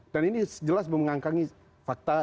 dan ini jelas memengangkangi fakta